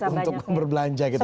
untuk berbelanja gitu